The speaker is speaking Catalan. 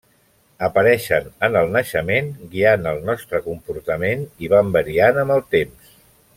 Apareixen en el naixement guiant el nostre comportament i van variant amb el temps.